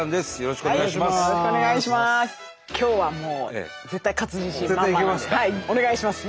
今日はもうお願いします！